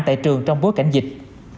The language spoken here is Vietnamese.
tại trường trong bối cảnh dịch